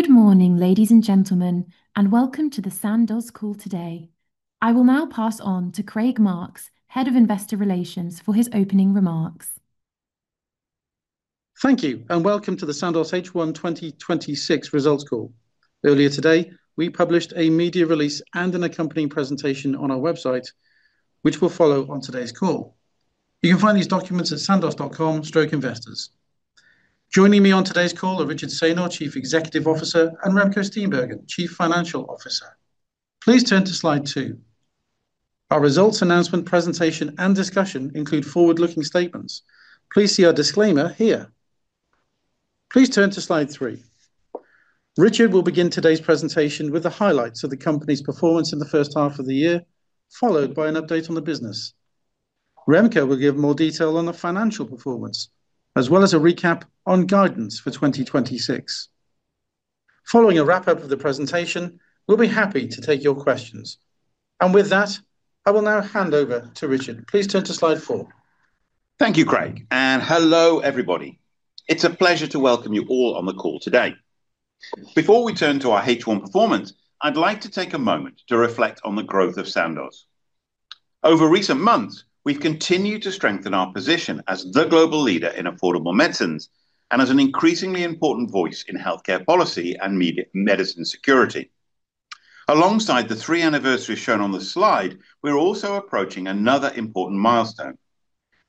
Good morning, ladies and gentlemen, welcome to the Sandoz call today. I will now pass on to Craig Marks, Head of Investor Relations, for his opening remarks. Thank you, welcome to the Sandoz H1 2026 results call. Earlier today, we published a media release and an accompanying presentation on our website, which will follow on today's call. You can find these documents at sandoz.com/investors. Joining me on today's call are Richard Saynor, Chief Executive Officer, and Remco Steenbergen, Chief Financial Officer. Please turn to slide two. Our results announcement presentation and discussion include forward-looking statements. Please see our disclaimer here. Please turn to slide three. Richard will begin today's presentation with the highlights of the company's performance in the first half of the year, followed by an update on the business. Remco will give more detail on the financial performance, as well as a recap on guidance for 2026. Following a wrap-up of the presentation, we'll be happy to take your questions. With that, I will now hand over to Richard. Please turn to slide four. Thank you, Craig. Hello everybody. It's a pleasure to welcome you all on the call today. Before we turn to our H1 performance, I'd like to take a moment to reflect on the growth of Sandoz. Over recent months, we've continued to strengthen our position as the global leader in affordable medicines and as an increasingly important voice in healthcare policy and medicine security. Alongside the three anniversaries shown on the slide, we're also approaching another important milestone.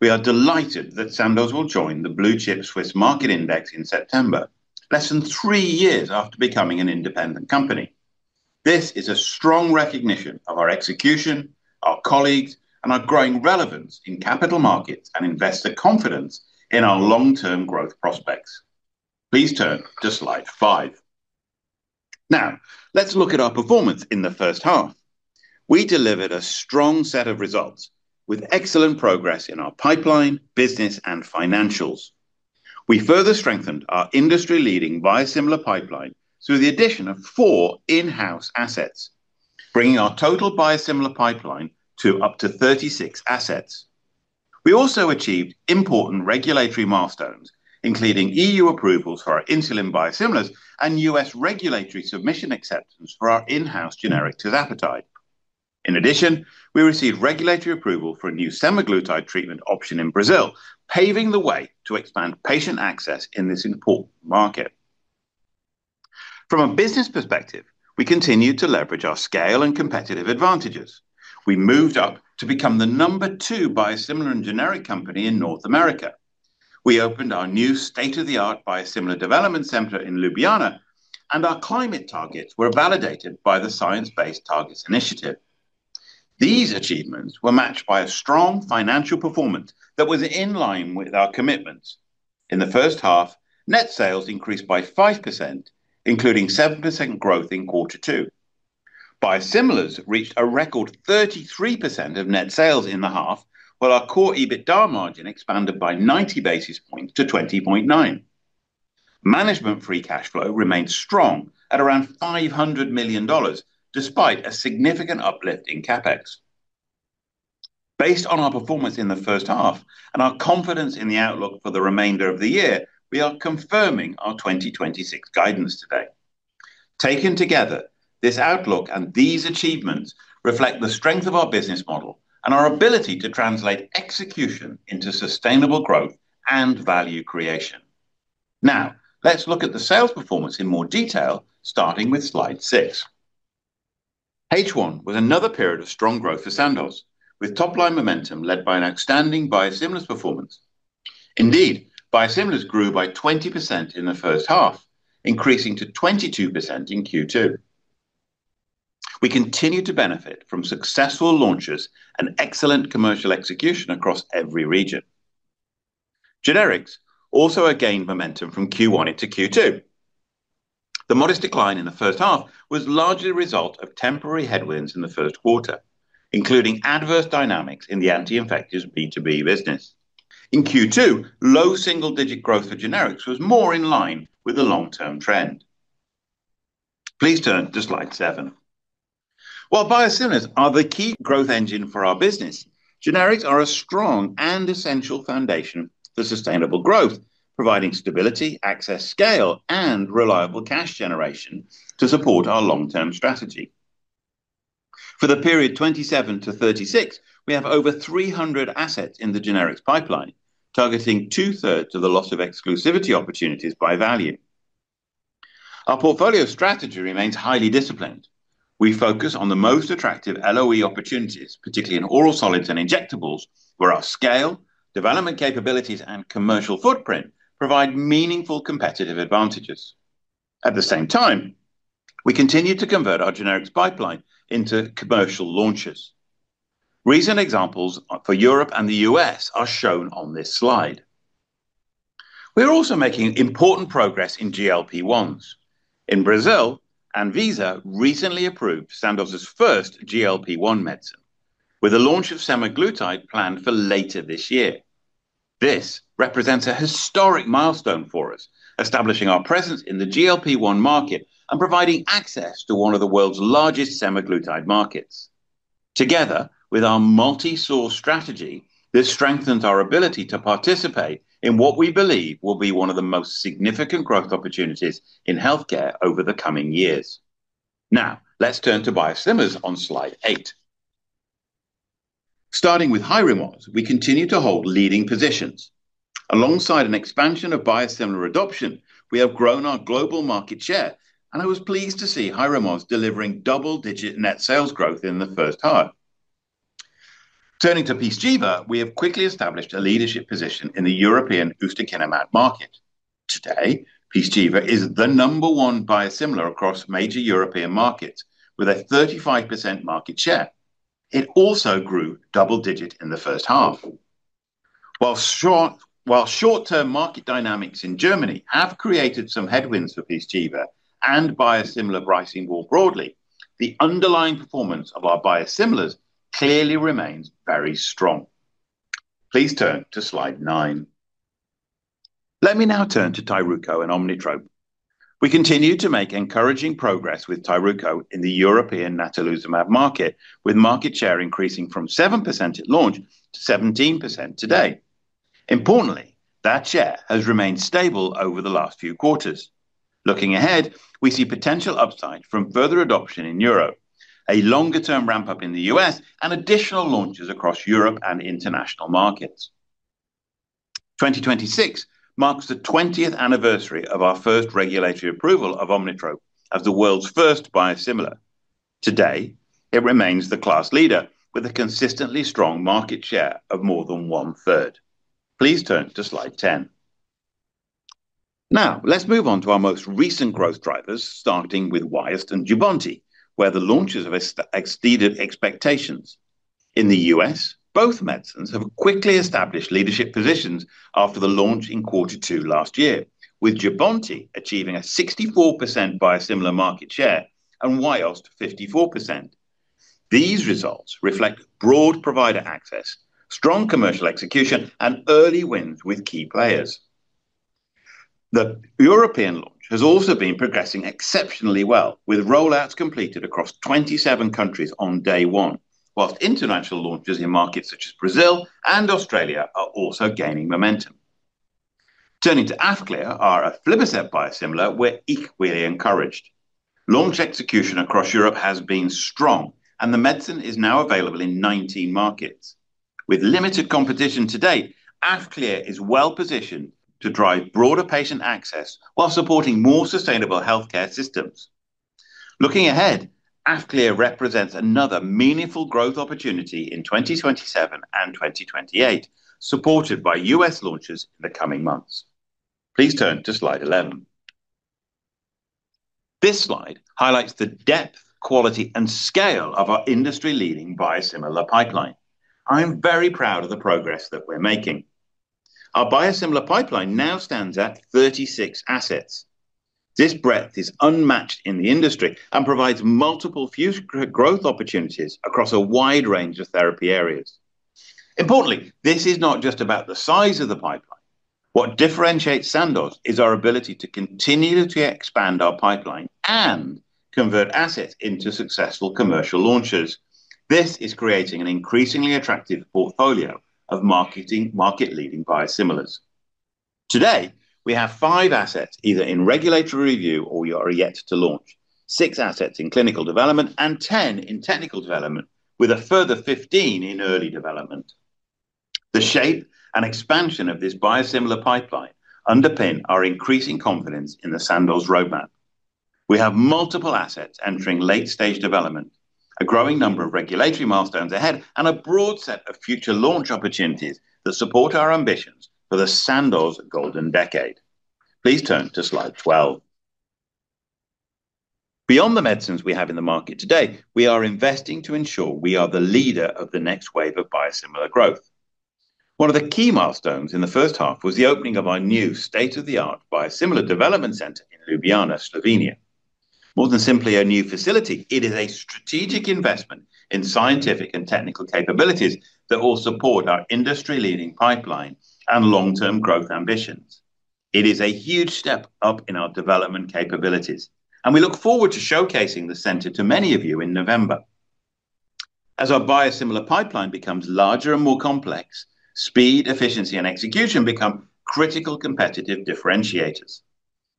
We are delighted that Sandoz will join the blue-chip Swiss Market Index in September, less than three years after becoming an independent company. This is a strong recognition of our execution, our colleagues, and our growing relevance in capital markets and investor confidence in our long-term growth prospects. Please turn to slide five. Now, let's look at our performance in the first half. We delivered a strong set of results with excellent progress in our pipeline, business, and financials. We further strengthened our industry-leading biosimilar pipeline through the addition of four in-house assets, bringing our total biosimilar pipeline to up to 36 assets. We also achieved important regulatory milestones, including EU approvals for our insulin biosimilars and U.S. regulatory submission acceptance for our in-house generic tirzepatide. In addition, we received regulatory approval for a new semaglutide treatment option in Brazil, paving the way to expand patient access in this important market. From a business perspective, we continued to leverage our scale and competitive advantages. We moved up to become the number two biosimilar and generic company in North America. We opened our new state-of-the-art biosimilar development center in Ljubljana, and our climate targets were validated by the Science Based Targets initiative. These achievements were matched by a strong financial performance that was in line with our commitments. In the first half, net sales increased by 5%, including 7% growth in quarter two. Biosimilars reached a record 33% of net sales in the half, while our core EBITDA margin expanded by 90 basis points to 20.9%. Management free cash flow remained strong at around $500 million, despite a significant uplift in CapEx. Based on our performance in the first half and our confidence in the outlook for the remainder of the year, we are confirming our 2026 guidance today. Taken together, this outlook and these achievements reflect the strength of our business model and our ability to translate execution into sustainable growth and value creation. Now, let's look at the sales performance in more detail, starting with slide six. H1 was another period of strong growth for Sandoz, with top-line momentum led by an outstanding biosimilars performance. Indeed, biosimilars grew by 20% in the first half, increasing to 22% in Q2. We continue to benefit from successful launches and excellent commercial execution across every region. Generics also gained momentum from Q1 into Q2. The modest decline in the first half was largely a result of temporary headwinds in the first quarter, including adverse dynamics in the anti-infectives B2B business. In Q2, low single-digit growth for generics was more in line with the long-term trend. Please turn to slide seven. While biosimilars are the key growth engine for our business, generics are a strong and essential foundation for sustainable growth, providing stability, access, scale, and reliable cash generation to support our long-term strategy. For the period 2027 to 2036, we have over 300 assets in the generics pipeline, targeting two-thirds of the loss of exclusivity opportunities by value. Our portfolio strategy remains highly disciplined. We focus on the most attractive LOE opportunities, particularly in oral solids and injectables, where our scale, development capabilities, and commercial footprint provide meaningful competitive advantages. At the same time, we continue to convert our generics pipeline into commercial launches. Recent examples for Europe and the U.S. are shown on this slide. We are also making important progress in GLP-1s. In Brazil, ANVISA recently approved Sandoz's first GLP-1 medicine with a launch of semaglutide planned for later this year. This represents a historic milestone for us, establishing our presence in the GLP-1 market and providing access to one of the world's largest semaglutide markets. Together with our multi-source strategy, this strengthens our ability to participate in what we believe will be one of the most significant growth opportunities in healthcare over the coming years. Now, let's turn to biosimilars on slide eight. Starting with Hyrimoz, we continue to hold leading positions. Alongside an expansion of biosimilar adoption, we have grown our global market share, and I was pleased to see Hyrimoz delivering double-digit net sales growth in the first half. Turning to Pyzchiva, we have quickly established a leadership position in the European ustekinumab market. Today, Pyzchiva is the number one biosimilar across major European markets with a 35% market share. It also grew double-digit in the first half. While short-term market dynamics in Germany have created some headwinds for Pyzchiva and biosimilar pricing more broadly, the underlying performance of our biosimilars clearly remains very strong. Please turn to slide nine. Let me now turn to Tyruko and Omnitrope. We continue to make encouraging progress with Tyruko in the European natalizumab market, with market share increasing from 7% at launch to 17% today. Importantly, that share has remained stable over the last few quarters. Looking ahead, we see potential upside from further adoption in Europe, a longer-term ramp-up in the U.S., and additional launches across Europe and international markets. 2026 marks the 20th anniversary of our first regulatory approval of Omnitrope as the world's first biosimilar. Today, it remains the class leader with a consistently strong market share of more than 1/3. Please turn to slide 10. Let's move on to our most recent growth drivers starting with Wyost and Jubbonti where the launches exceeded expectations. In the U.S., both medicines have quickly established leadership positions after the launch in quarter two last year, with Jubbonti achieving a 64% biosimilar market share and Wyost 54%. These results reflect broad provider access, strong commercial execution, and early wins with key players. The European launch has also been progressing exceptionally well, with rollouts completed across 27 countries on day one, whilst international launches in markets such as Brazil and Australia are also gaining momentum. Turning to Afqlir, our aflibercept biosimilar, we're equally encouraged. Launch execution across Europe has been strong, and the medicine is now available in 19 markets. With limited competition to date, Afqlir is well-positioned to drive broader patient access while supporting more sustainable healthcare systems. Looking ahead, Afqlir represents another meaningful growth opportunity in 2027 and 2028, supported by U.S. launches in the coming months. Please turn to slide 11. This slide highlights the depth, quality, and scale of our industry-leading biosimilar pipeline. I am very proud of the progress that we're making. Our biosimilar pipeline now stands at 36 assets. This breadth is unmatched in the industry and provides multiple future growth opportunities across a wide range of therapy areas. Importantly, this is not just about the size of the pipeline. What differentiates Sandoz is our ability to continue to expand our pipeline and convert assets into successful commercial launches. This is creating an increasingly attractive portfolio of market-leading biosimilars. Today, we have five assets either in regulatory review or are yet to launch, six assets in clinical development, and 10 in technical development, with a further 15 in early development. The shape and expansion of this biosimilar pipeline underpin our increasing confidence in the Sandoz roadmap. We have multiple assets entering late-stage development, a growing number of regulatory milestones ahead, and a broad set of future launch opportunities that support our ambitions for the Sandoz golden decade. Please turn to slide 12. Beyond the medicines we have in the market today, we are investing to ensure we are the leader of the next wave of biosimilar growth. One of the key milestones in the first half was the opening of our new state-of-the-art biosimilar development center in Ljubljana, Slovenia. More than simply a new facility, it is a strategic investment in scientific and technical capabilities that will support our industry-leading pipeline and long-term growth ambitions. It is a huge step up in our development capabilities, and we look forward to showcasing the center to many of you in November. As our biosimilar pipeline becomes larger and more complex, speed, efficiency, and execution become critical competitive differentiators.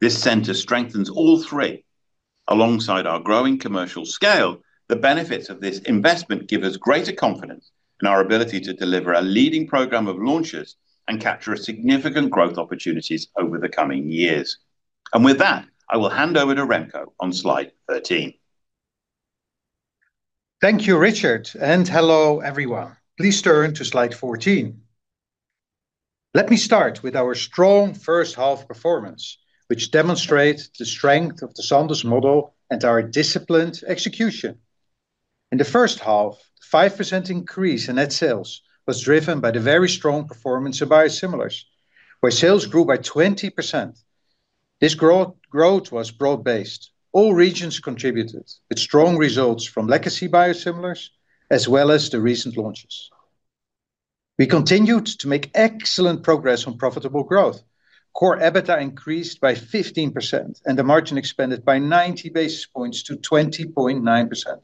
This center strengthens all three. Alongside our growing commercial scale, the benefits of this investment give us greater confidence in our ability to deliver a leading program of launches and capture significant growth opportunities over the coming years. With that, I will hand over to Remco on slide 13. Thank you, Richard, and hello, everyone. Please turn to slide 14. Let me start with our strong first half performance, which demonstrates the strength of the Sandoz model and our disciplined execution. In the first half, 5% increase in net sales was driven by the very strong performance of biosimilars, where sales grew by 20%. This growth was broad-based. All regions contributed with strong results from legacy biosimilars, as well as the recent launches. We continued to make excellent progress on profitable growth. Core EBITDA increased by 15%, and the margin expanded by 90 basis points to 20.9%,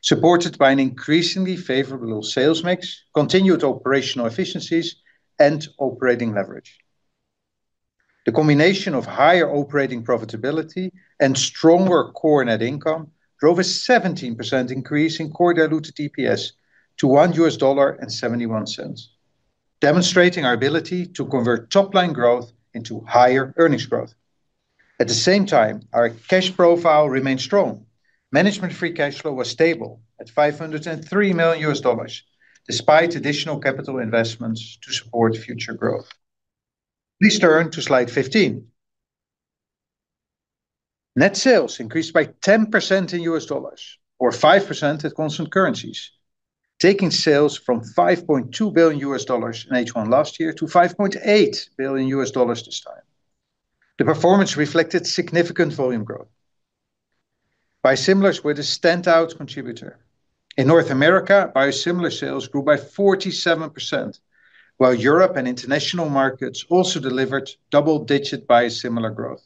supported by an increasingly favorable sales mix, continued operational efficiencies, and operating leverage. The combination of higher operating profitability and stronger core net income drove a 17% increase in core diluted EPS to $1.71, demonstrating our ability to convert top-line growth into higher earnings growth. At the same time, our cash profile remained strong. Management-free cash flow was stable at $503 million, despite additional capital investments to support future growth. Please turn to slide 15. Net sales increased by 10% in US dollars, or 5% at constant currencies, taking sales from $5.2 billion in H1 last year to $5.8 billion this time. The performance reflected significant volume growth. Biosimilars were the standout contributor. In North America, biosimilar sales grew by 47%, while Europe and international markets also delivered double-digit biosimilar growth.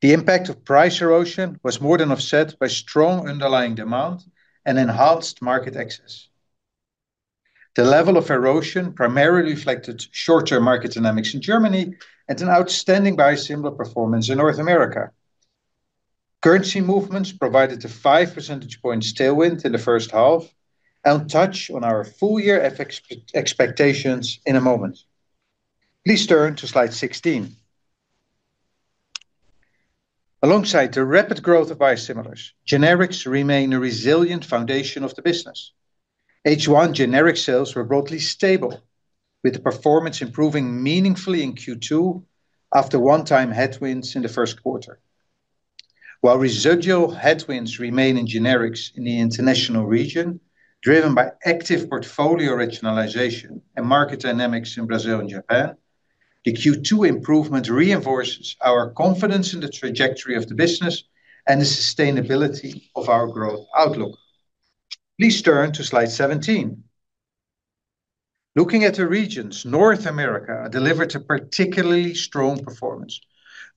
The impact of price erosion was more than offset by strong underlying demand and enhanced market access. The level of erosion primarily reflected short-term market dynamics in Germany and an outstanding biosimilar performance in North America. Currency movements provided a five-percentage point tailwind in the first half. I will touch on our full-year expectations in a moment. Please turn to slide 16. Alongside the rapid growth of biosimilars, generics remain a resilient foundation of the business. H1 generic sales were broadly stable, with the performance improving meaningfully in Q2 after one-time headwinds in the first quarter. While residual headwinds remain in generics in the International region, driven by active portfolio rationalization and market dynamics in Brazil and Japan, the Q2 improvement reinforces our confidence in the trajectory of the business and the sustainability of our growth outlook. Please turn to slide 17. Looking at the regions, North America delivered a particularly strong performance,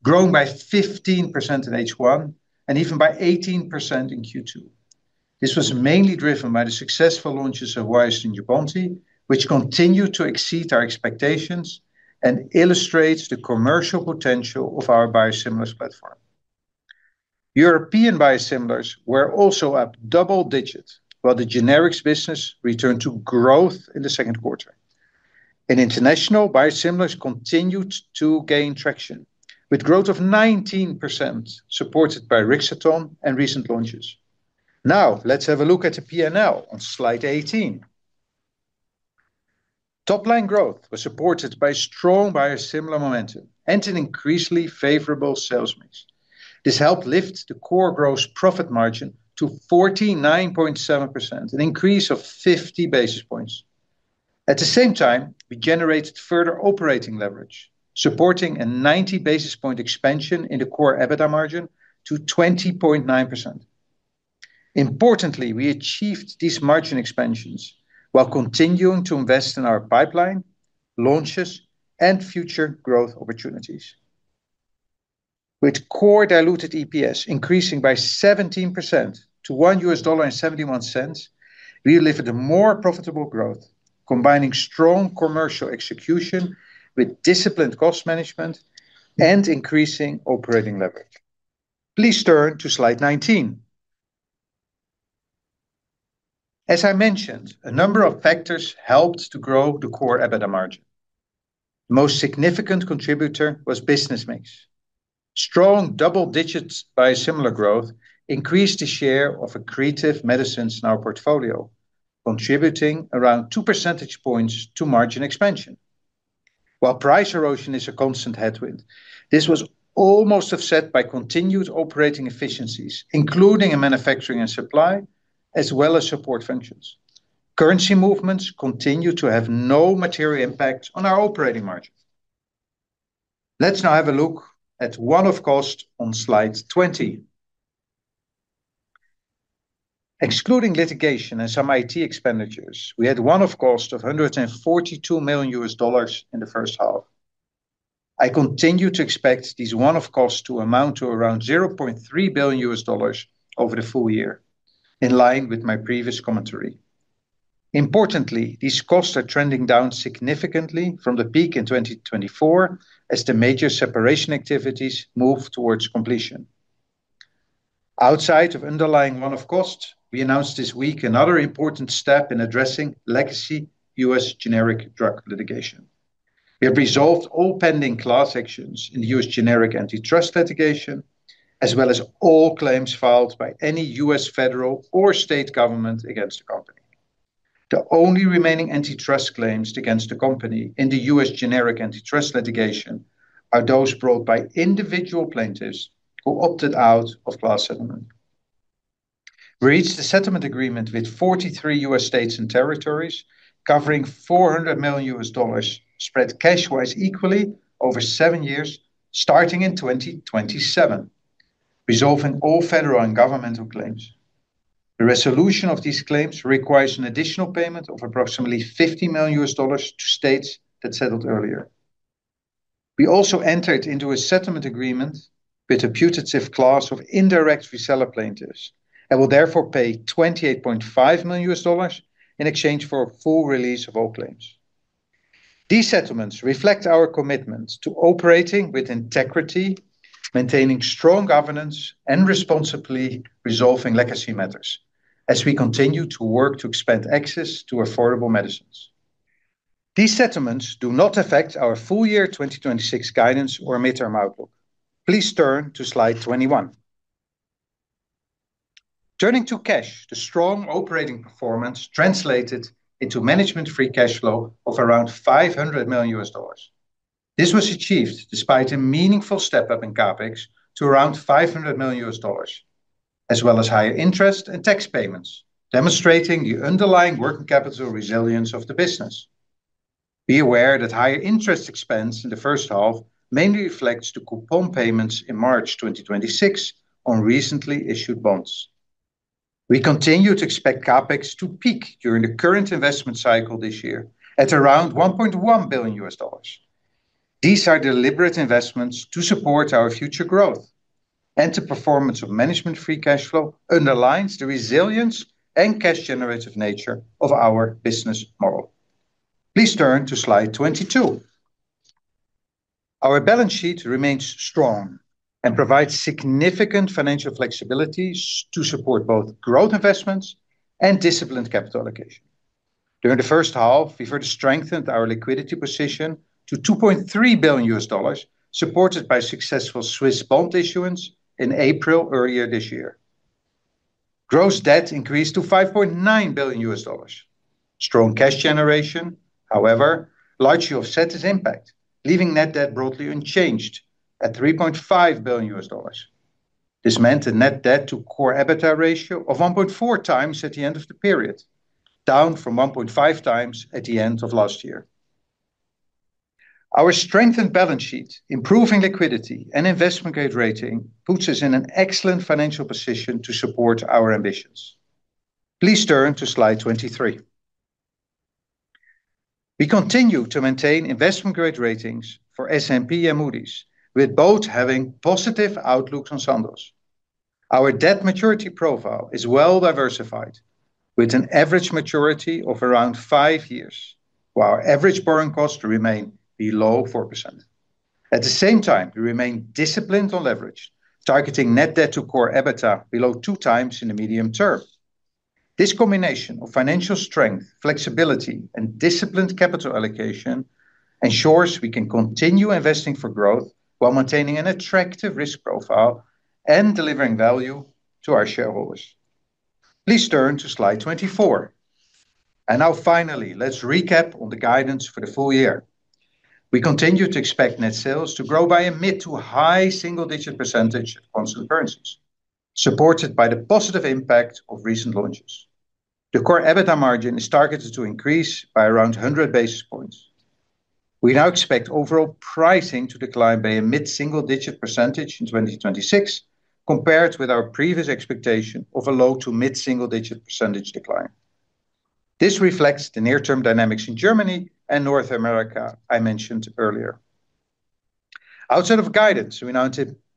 growing by 15% in H1 and even by 18% in Q2. This was mainly driven by the successful launches of Wyost and Jubbonti, which continue to exceed our expectations and illustrates the commercial potential of our biosimilars platform. European biosimilars were also up double digits, while the generics business returned to growth in the second quarter. In International, biosimilars continued to gain traction, with growth of 19% supported by Rixathon and recent launches. Now, let's have a look at the P&L on slide 18. Top-line growth was supported by strong biosimilar momentum and an increasingly favorable sales mix. This helped lift the core gross profit margin to 49.7%, an increase of 50 basis points. At the same time, we generated further operating leverage, supporting a 90-basis point expansion in the core EBITDA margin to 20.9%. Importantly, we achieved these margin expansions while continuing to invest in our pipeline, launches, and future growth opportunities. With core diluted EPS increasing by 17% to $1.71, we delivered a more profitable growth, combining strong commercial execution with disciplined cost management and increasing operating leverage. Please turn to slide 19. As I mentioned, a number of factors helped to grow the core EBITDA margin. The most significant contributor was business mix. Strong double-digit biosimilar growth increased the share of accretive medicines in our portfolio, contributing around 2 percentage points to margin expansion. While price erosion is a constant headwind, this was almost offset by continued operating efficiencies, including in manufacturing and supply, as well as support functions. Currency movements continue to have no material impact on our operating margin. Let's now have a look at one-off costs on slide 20. Excluding litigation and some IT expenditures, we had one-off costs of $142 million in the first half. I continue to expect these one-off costs to amount to around $0.3 billion over the full-year, in line with my previous commentary. Importantly, these costs are trending down significantly from the peak in 2024 as the major separation activities move towards completion. Outside of underlying one-off costs, we announced this week another important step in addressing legacy US generic drug litigation. We have resolved all pending class actions in US generic antitrust litigation, as well as all claims filed by any US federal or state government against the company. The only remaining antitrust claims against the company in the US generic antitrust litigation are those brought by individual plaintiffs who opted out of class settlement. We reached a settlement agreement with 43 U.S. states and territories covering $400 million, spread cash-wise equally over seven years, starting in 2027. Resolving all federal and governmental claims. The resolution of these claims requires an additional payment of approximately $50 million to states that settled earlier. We also entered into a settlement agreement with a putative class of indirect reseller plaintiffs, will therefore pay $28.5 million in exchange for a full release of all claims. These settlements reflect our commitment to operating with integrity, maintaining strong governance, and responsibly resolving legacy matters as we continue to work to expand access to affordable medicines. These settlements do not affect our full-year 2026 guidance or midterm outlook. Please turn to slide 21. Turning to cash, the strong operating performance translated into management free cash flow of around $500 million. This was achieved despite a meaningful step up in CapEx to around $500 million, as well as higher interest and tax payments, demonstrating the underlying working capital resilience of the business. Be aware that higher interest expense in the first half mainly reflects the coupon payments in March 2026 on recently issued bonds. We continue to expect CapEx to peak during the current investment cycle this year at around $1.1 billion. These are deliberate investments to support our future growth, the performance of management free cash flow underlines the resilience and cash generative nature of our business model. Please turn to slide 22. Our balance sheet remains strong and provides significant financial flexibility to support both growth investments and disciplined capital allocation. During the first half, we further strengthened our liquidity position to $2.3 billion, supported by successful Swiss bond issuance in April earlier this year. Gross debt increased to $5.9 billion. Strong cash generation, however, largely offset this impact, leaving net debt broadly unchanged at $3.5 billion. This meant a net debt-to-core EBITDA ratio of 1.4x at the end of the period, down from 1.5x at the end of last year. Our strengthened balance sheet, improving liquidity and investment-grade rating puts us in an excellent financial position to support our ambitions. Please turn to slide 23. We continue to maintain investment grade ratings for S&P and Moody's, with both having positive outlooks on Sandoz. Our debt maturity profile is well diversified, with an average maturity of around five years, while our average borrowing costs remain below 4%. At the same time, we remain disciplined on leverage, targeting net debt-to-core EBITDA below 2x in the medium term. This combination of financial strength, flexibility, and disciplined capital allocation ensures we can continue investing for growth while maintaining an attractive risk profile and delivering value to our shareholders. Please turn to slide 24. Now finally, let's recap on the guidance for the full-year. We continue to expect net sales to grow by a mid- to high-single-digit percentage at constant currencies, supported by the positive impact of recent launches. The core EBITDA margin is targeted to increase by around 100 basis points. We now expect overall pricing to decline by a mid-single-digit percentage in 2026, compared with our previous expectation of a low-to mid-single-digit percentage decline. This reflects the near-term dynamics in Germany and North America I mentioned earlier. Outside of guidance, we now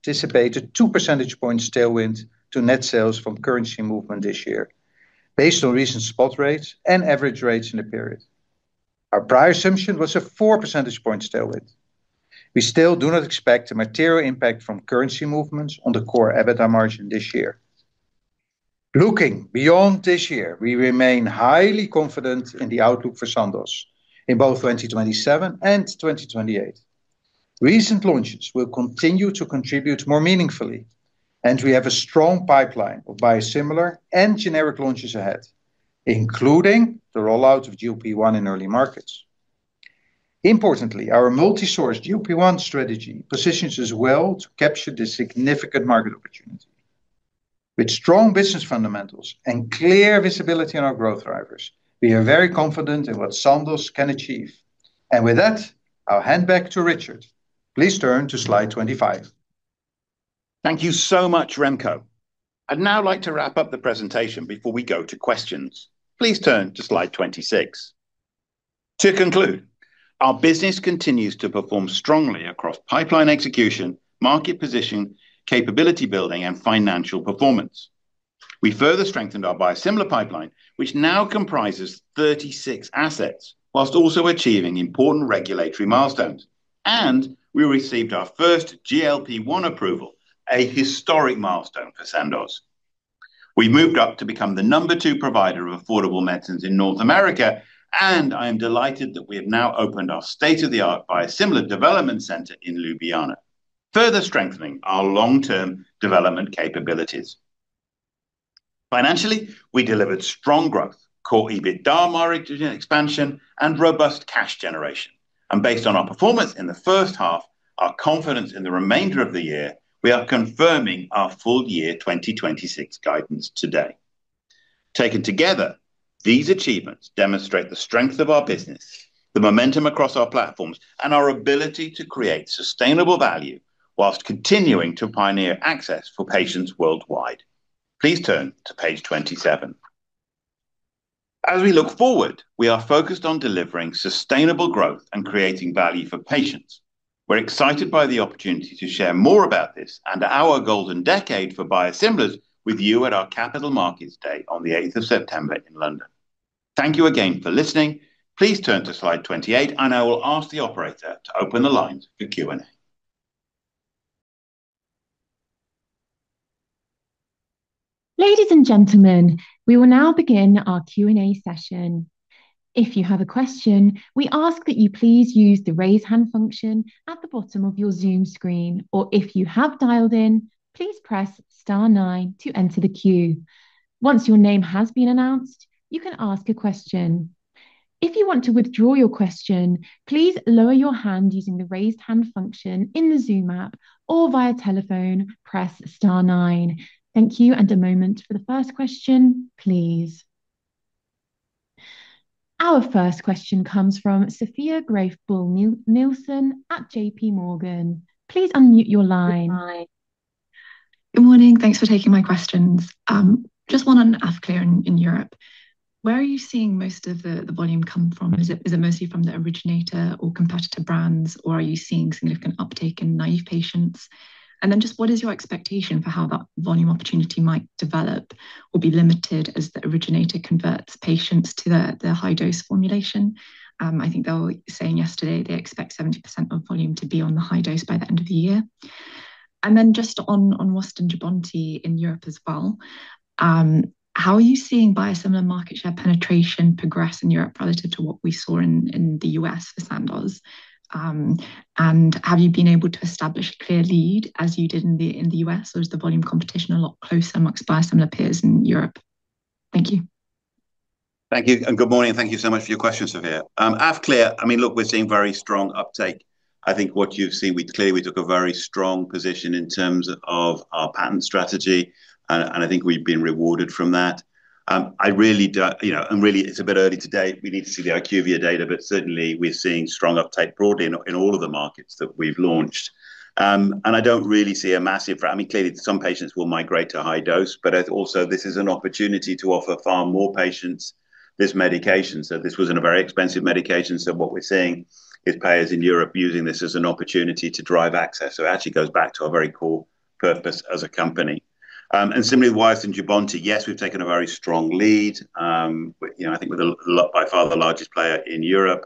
anticipate a 2 percentage point tailwind to net sales from currency movement this year, based on recent spot rates and average rates in the period. Our prior assumption was a 4 percentage point tailwind. We still do not expect a material impact from currency movements on the core EBITDA margin this year. Looking beyond this year, we remain highly confident in the outlook for Sandoz in both 2027 and 2028. Recent launches will continue to contribute more meaningfully, and we have a strong pipeline of biosimilar and generic launches ahead, including the rollout of GLP-1 in early markets. Importantly, our multi-sourced GLP-1 strategy positions us well to capture the significant market opportunity. With strong business fundamentals and clear visibility on our growth drivers, we are very confident in what Sandoz can achieve. With that, I'll hand back to Richard. Please turn to slide 25. Thank you so much, Remco. I'd now like to wrap up the presentation before we go to questions. Please turn to slide 26. To conclude, our business continues to perform strongly across pipeline execution, market position, capability building, and financial performance. We further strengthened our biosimilar pipeline, which now comprises 36 assets, whilst also achieving important regulatory milestones. We received our first GLP-1 approval, a historic milestone for Sandoz. We moved up to become the number two provider of affordable medicines in North America, and I am delighted that we have now opened our state-of-the-art biosimilar development center in Ljubljana, further strengthening our long-term development capabilities. Financially, we delivered strong growth, core EBITDA margin expansion, and robust cash generation. Based on our performance in the first half, our confidence in the remainder of the year, we are confirming our full year 2026 guidance today. Taken together, these achievements demonstrate the strength of our business, the momentum across our platforms, and our ability to create sustainable value whilst continuing to pioneer access for patients worldwide. Please turn to page 27. As we look forward, we are focused on delivering sustainable growth and creating value for patients. We're excited by the opportunity to share more about this and our golden decade for biosimilars with you at our Capital Markets Day on the 8th of September in London. Thank you again for listening. Please turn to slide 28. I will ask the operator to open the lines for Q&A. Ladies and gentlemen, we will now begin our Q&A session. If you have a question, we ask that you please use the raise hand function at the bottom of your Zoom screen, or if you have dialed in, please press star nine to enter the queue. Once your name has been announced, you can ask a question. If you want to withdraw your question, please lower your hand using the raised hand function in the Zoom app or via telephone, press star nine. Thank you, a moment for the first question, please. Our first question comes from Sophia Graeff Buhl-Nielsen at JPMorgan. Please unmute your line. Good morning. Thanks for taking my questions. Just one on in Europe. Where are you seeing most of the volume come from? Is it mostly from the originator or competitor brands, or are you seeing significant uptake in naive patients? What is your expectation for how that volume opportunity might develop or be limited as the originator converts patients to their high-dose formulation? I think they were saying yesterday they expect 70% of volume to be on the high-dose by the end of the year. On Wyost and Jubbonti in Europe as well, how are you seeing biosimilar market share penetration progress in Europe relative to what we saw in the U.S. for Sandoz? Have you been able to establish a clear lead as you did in the U.S., or is the volume competition a lot closer amongst biosimilar peers in Europe? Thank you. Thank you, good morning. Thank you so much for your question, Sophia. Afqlir, look, we're seeing very strong uptake. I think what you've seen, clearly we took a very strong position in terms of our patent strategy, and I think we've been rewarded from that. It's a bit early today. We need to see the IQVIA data, certainly we're seeing strong uptake broadly in all of the markets that we've launched. Clearly, some patients will migrate to high-dose, but also this is an opportunity to offer far more patients this medication. This wasn't a very expensive medication. What we're seeing is payers in Europe using this as an opportunity to drive access. It actually goes back to our very core purpose as a company. Similarly, Wyost and Jubbonti, yes, we've taken a very strong lead. I think we're by far the largest player in Europe.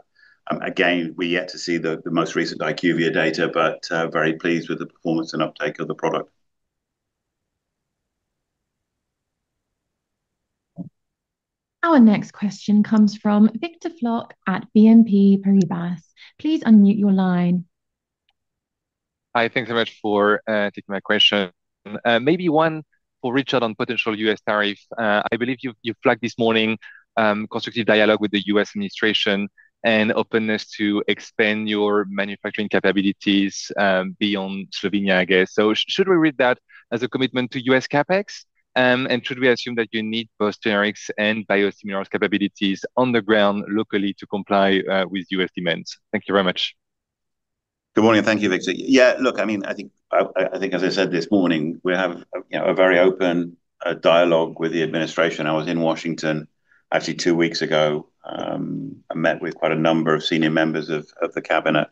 Again, we're yet to see the most recent IQVIA data, very pleased with the performance and uptake of the product. Our next question comes from Victor Floc'h at BNP Paribas. Please unmute your line. Hi, thanks so much for taking my question. Maybe one for Richard on potential U.S. tariff. I believe you flagged this morning constructive dialogue with the U.S. administration and openness to expand your manufacturing capabilities beyond Slovenia, I guess. Should we read that as a commitment to U.S. CapEx? Should we assume that you need both generics and biosimilars capabilities on the ground locally to comply with U.S. demands? Thank you very much. Good morning. Thank you, Victor. Yeah, look, I think as I said this morning, we have a very open dialogue with the administration. I was in Washington actually two weeks ago. I met with quite a number of senior members of the cabinet.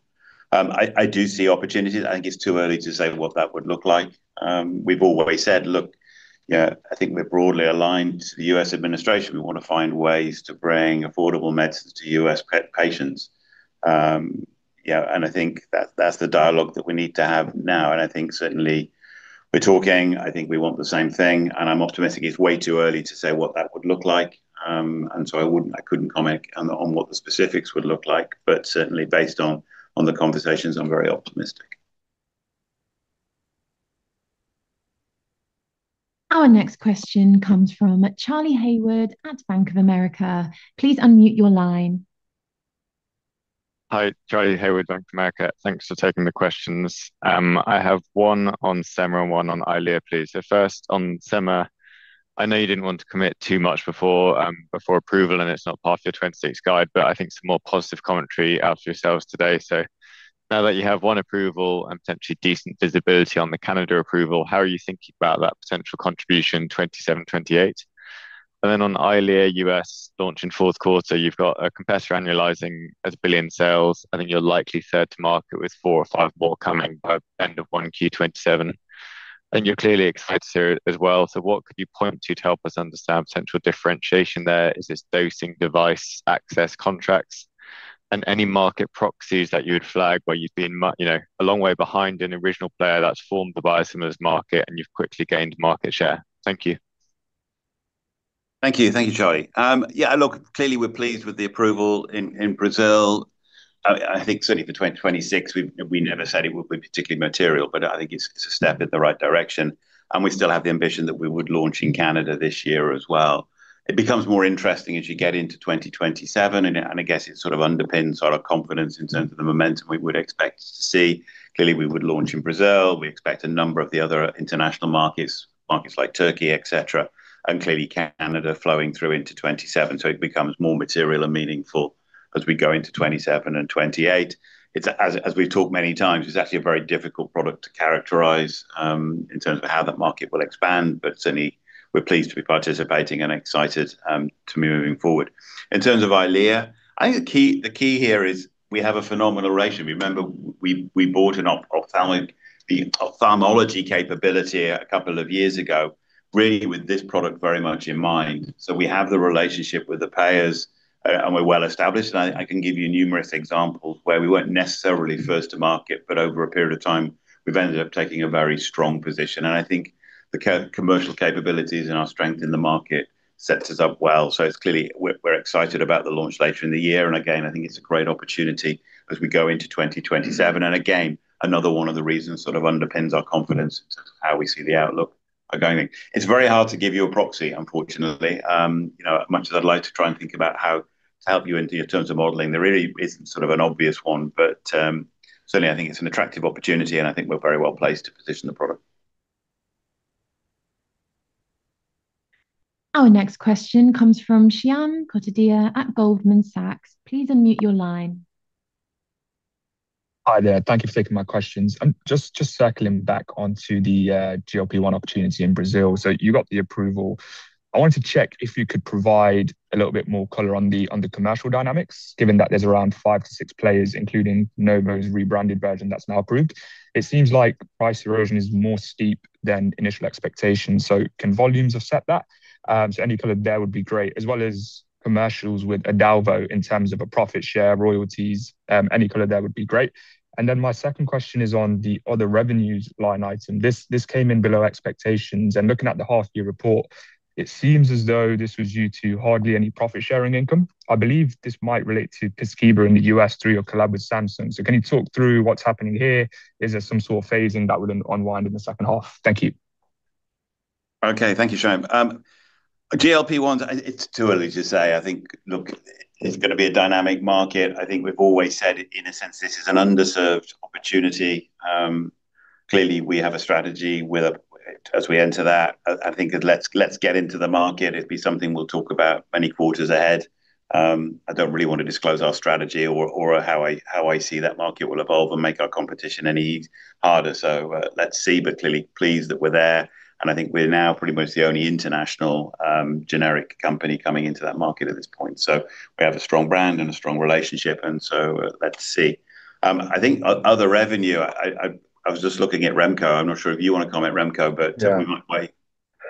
I do see opportunities. I think it's too early to say what that would look like. We've always said, look, I think we're broadly aligned to the U.S. administration. We want to find ways to bring affordable medicines to U.S. patients. Yeah, I think that's the dialogue that we need to have now. I think certainly we're talking. I think we want the same thing, I'm optimistic. It's way too early to say what that would look like, I couldn't comment on what the specifics would look like. Certainly based on the conversations, I'm very optimistic. Our next question comes from Charlie Haywood at Bank of America. Please unmute your line. Hi. Charlie Haywood, Bank of America. Thanks for taking the questions. I have one on semaglutide and one on Eylea, please. First on semaglutide. I know you didn't want to commit too much before approval, and it's not part of your 2026 guide, I think some more positive commentary out of yourselves today. Now that you have one approval and potentially decent visibility on the Canada approval, how are you thinking about that potential contribution 2027-2028? On Eylea U.S. launch in fourth quarter. You've got a competitor annualizing as a $1 billion sales, you're likely third to market with four or five more coming by end of 1Q 2027. You're clearly excited as well. What could you point to to help us understand central differentiation there? Is this dosing device access contracts, any market proxies that you would flag where you've been a long way behind an original player that's formed the biosimilars market and you've quickly gained market share? Thank you. Thank you, Charlie. Clearly we're pleased with the approval in Brazil. I think certainly for 2026, we never said it would be particularly material, I think it's a step in the right direction, and we still have the ambition that we would launch in Canada this year as well. It becomes more interesting as you get into 2027, I guess it sort of underpins our confidence in terms of the momentum we would expect to see. Clearly, we would launch in Brazil. We expect a number of the other international markets like Turkey, et cetera, clearly Canada flowing through into 2027. It becomes more material and meaningful as we go into 2027 and 2028. As we've talked many times, it's actually a very difficult product to characterize in terms of how that market will expand, certainly we're pleased to be participating and excited to be moving forward. In terms of Eylea, I think the key here is we have a phenomenal ratio. Remember, we bought an ophthalmology capability a couple of years ago, really with this product very much in mind. We have the relationship with the payers and we're well established, I can give you numerous examples where we weren't necessarily first to market, over a period of time, we've ended up taking a very strong position. I think the commercial capabilities and our strength in the market sets us up well. It's clearly we're excited about the launch later in the year. Again, I think it's a great opportunity as we go into 2027. Again, another one of the reasons sort of underpins our confidence in terms of how we see the outlook are going. It's very hard to give you a proxy, unfortunately. As much as I'd like to try and think about how to help you in terms of modeling, there really isn't sort of an obvious one. Certainly, I think it's an attractive opportunity, and I think we're very well placed to position the product. Our next question comes from Shyam Kotadia at Goldman Sachs. Please unmute your line. Hi there. Thank you for taking my questions. Just circling back onto the GLP-1 opportunity in Brazil. You got the approval. I wanted to check if you could provide a little bit more color on the commercial dynamics, given that there's around five to six players, including Novo's rebranded version that's now approved. It seems like price erosion is more steep than initial expectations. Can volumes offset that? Any color there would be great, as well as commercials with Adalvo in terms of a profit share, royalties, any color there would be great. My second question is on the other revenues line item. This came in below expectations. Looking at the half year report, it seems as though this was due to hardly any profit-sharing income. I believe this might relate to Pyzchiva in the U.S. through your collab with Samsung. Can you talk through what's happening here? Is there some sort of phasing that would unwind in the second half? Thank you. Okay. Thank you, Shyam. GLP-1, it's too early to say. I think, look, it's going to be a dynamic market. I think we've always said, in a sense, this is an underserved opportunity. Clearly, we have a strategy as we enter that. I think let's get into the market. It'd be something we'll talk about many quarters ahead. I don't really want to disclose our strategy or how I see that market will evolve and make our competition any harder. Let's see, but clearly pleased that we're there. I think we're now pretty much the only international generic company coming into that market at this point. We have a strong brand and a strong relationship, and so let's see. I think other revenue, I was just looking at Remco. I'm not sure if you want to comment, Remco, but. Yeah We might wait.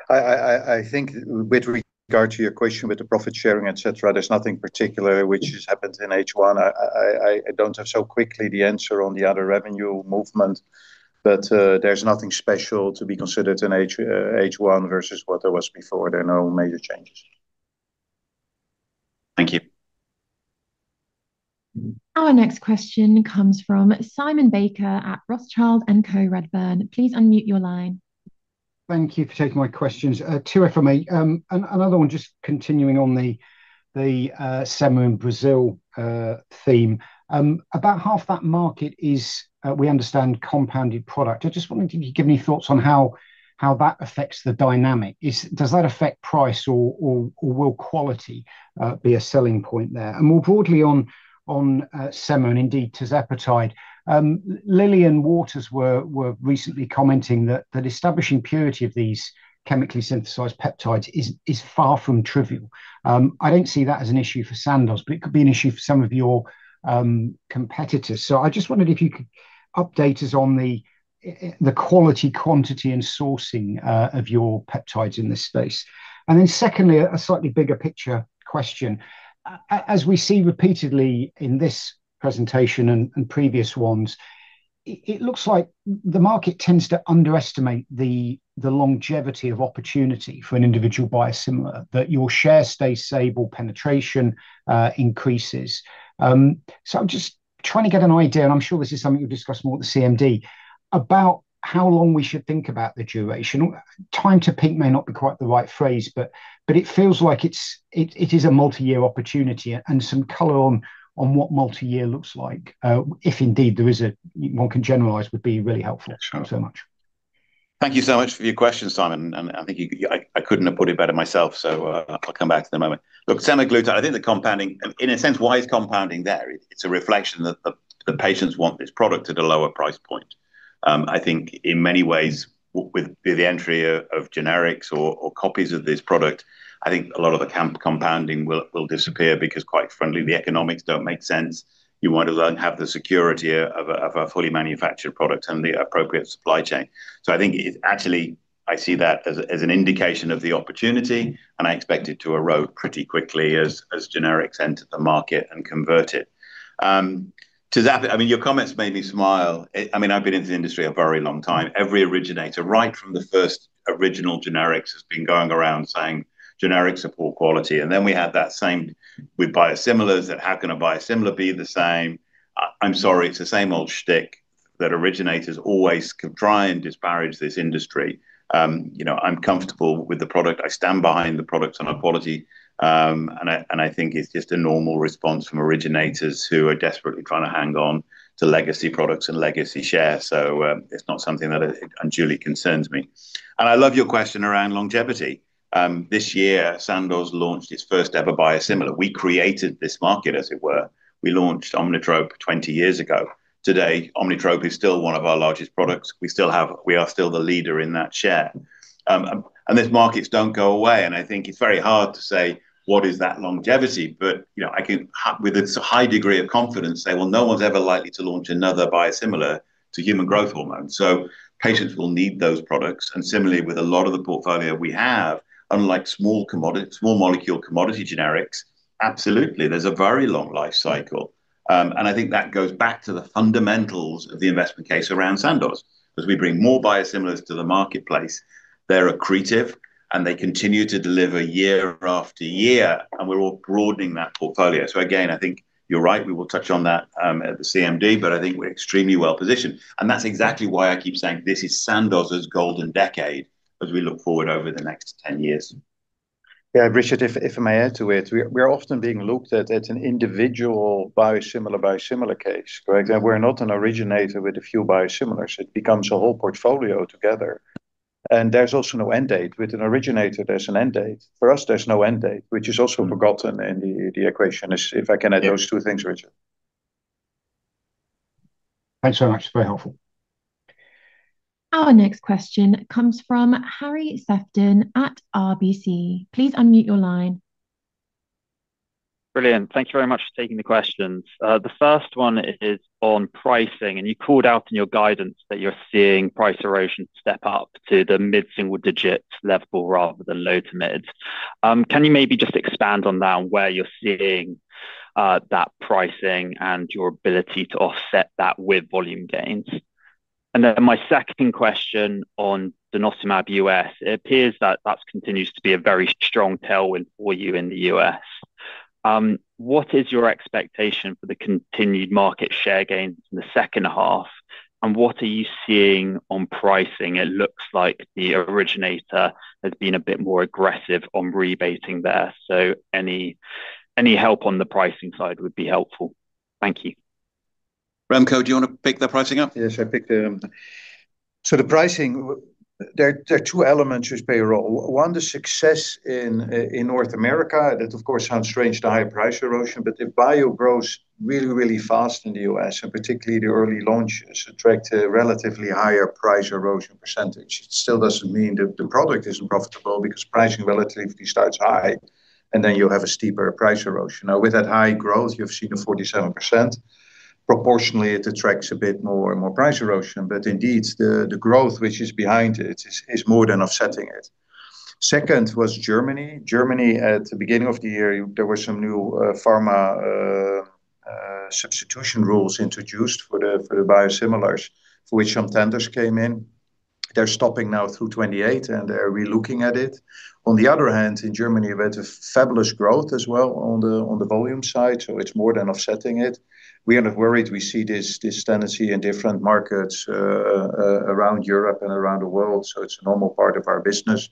I think with regard to your question with the profit sharing, et cetera, there's nothing particular which has happened in H1. I don't have so quickly the answer on the other revenue movement, but there's nothing special to be considered in H1 versus what there was before. There are no major changes. Thank you. Our next question comes from Simon Baker at Rothschild & Co Redburn. Please unmute your line. Thank you for taking my questions. Two for me. Another one just continuing on the semaglutide in Brazil theme. About half that market is, we understand, compounded product. I was just wondering, can you give me thoughts on how that affects the dynamic. Does that affect price, or will quality be a selling point there? More broadly on semaglutide and indeed tirzepatide. Lilly and Waters were recently commenting that establishing purity of these chemically synthesized peptides is far from trivial. I do not see that as an issue for Sandoz, but it could be an issue for some of your competitors. I just wondered if you could update us on the quality, quantity, and sourcing of your peptides in this space. Secondly, a slightly bigger picture question. As we see repeatedly in this presentation and previous ones, it looks like the market tends to underestimate the longevity of opportunity for an individual biosimilar, that your share stays stable, penetration increases. I am just trying to get an idea, and I am sure this is something you will discuss more at the CMD, about how long we should think about the duration. Time to peak may not be quite the right phrase, but it feels like it is a multi-year opportunity, and some color on what multi-year looks like, if indeed one can generalize, would be really helpful. Sure. Thank you so much. Thank you so much for your question, Simon. I think I couldn't have put it better myself, so I'll come back to the moment. Look, semaglutide, I think the compounding in a sense, why is compounding there? It's a reflection that the patients want this product at a lower price point. I think in many ways, with the entry of generics or copies of this product, I think a lot of the compounding will disappear because quite frankly, the economics don't make sense. You want to have the security of a fully manufactured product and the appropriate supply chain. I think actually, I see that as an indication of the opportunity, and I expect it to erode pretty quickly as generics enter the market and convert it. I mean, your comments made me smile. I've been in the industry a very long time. Every originator, right from the first original generics, has been going around saying generics are poor quality. Then we have that same with biosimilars, that how can a biosimilar be the same? I'm sorry, it's the same old shtick that originators always try and disparage this industry. I'm comfortable with the product. I stand behind the product on our quality. I think it's just a normal response from originators who are desperately trying to hang on to legacy products and legacy share. It's not something that unduly concerns me. I love your question around longevity. This year, Sandoz launched its first ever biosimilar. We created this market, as it were. We launched Omnitrope 20 years ago. Today, Omnitrope is still one of our largest products. We are still the leader in that share. These markets don't go away, and I think it's very hard to say what is that longevity. I can, with its high degree of confidence say, well, no one's ever likely to launch another biosimilar to human growth hormone, so patients will need those products. Similarly, with a lot of the portfolio we have, unlike small molecule commodity generics, absolutely, there's a very long life cycle. I think that goes back to the fundamentals of the investment case around Sandoz. As we bring more biosimilars to the marketplace, they're accretive, and they continue to deliver year-after-year, and we're broadening that portfolio. Again, I think you're right. We will touch on that at the CMD, but I think we're extremely well-positioned, and that's exactly why I keep saying this is Sandoz's golden decade as we look forward over the next 10 years. Yeah, Richard, if I may add to it, we are often being looked at as an individual biosimilar case. For example, we're not an originator with a few biosimilars. It becomes a whole portfolio together. There's also no end date. With an originator, there's an end date. For us, there's no end date, which is also forgotten in the equation. If I can add those two things, Richard. Thanks so much. Very helpful. Our next question comes from Harry Sefton at RBC. Please unmute your line. Brilliant. Thank you very much for taking the questions. The first one is on pricing. You called out in your guidance that you're seeing price erosion step up to the mid-single-digit level rather than low-to-mid. Can you maybe just expand on that, where you're seeing that pricing and your ability to offset that with volume gains? My second question on denosumab U.S. It appears that that continues to be a very strong tailwind for you in the U.S. What is your expectation for the continued market share gains in the second half, what are you seeing on pricing? It looks like the originator has been a bit more aggressive on rebating there. Any help on the pricing side would be helpful. Thank you. Remco, do you want to pick the pricing up? Yes, The pricing, there are two elements which play a role. One, the success in North America. That, of course, sounds strange to high price erosion, but if bio grows really, really fast in the U.S., and particularly the early launches attract a relatively higher price erosion percentage. It still doesn't mean that the product isn't profitable because pricing relatively starts high, and then you have a steeper price erosion. Now, with that high growth, you've seen a 47%. Proportionally, it attracts a bit more and more price erosion. Indeed, the growth which is behind it is more than offsetting it. Second was Germany. Germany, at the beginning of the year, there were some new pharma substitution rules introduced for the biosimilars, for which some tenders came in. They're stopping now through 2028, and they're re-looking at it. On the other hand, in Germany, we've had a fabulous growth as well on the volume side, so it's more than offsetting it. We are not worried. We see this tendency in different markets around Europe and around the world, so it's a normal part of our business.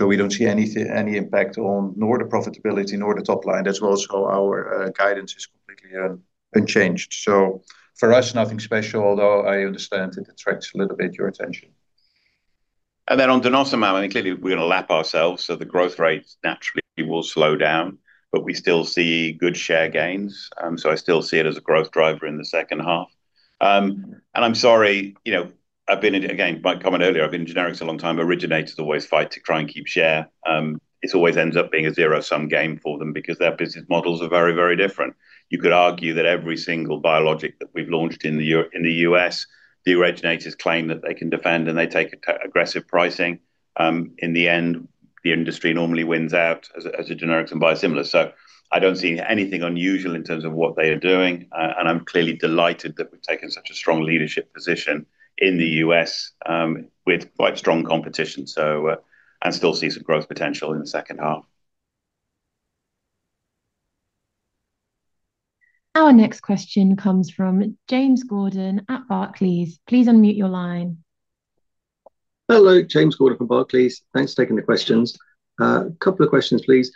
We don't see any impact on nor the profitability, nor the top-line, as well as our guidance is completely unchanged. For us, nothing special, although I understand it attracts a little bit your attention. Then on denosumab, and clearly we're going to lap ourselves, so the growth rates naturally will slow down. We still see good share gains. I still see it as a growth driver in the second half. I'm sorry, I've been in, again, my comment earlier, I've been in generics a long time. Originators always fight to try and keep share. It always ends up being a zero-sum game for them because their business models are very, very different. You could argue that every single biologic that we've launched in the U.S., the originators claim that they can defend, and they take aggressive pricing. In the end, the industry normally wins out as a generic and biosimilar. I don't see anything unusual in terms of what they are doing. I'm clearly delighted that we've taken such a strong leadership position in the U.S. with quite strong competition. Still see some growth potential in the second half. Our next question comes from James Gordon at Barclays. Please unmute your line. Hello. James Gordon from Barclays. Thanks for taking the questions. Couple of questions, please.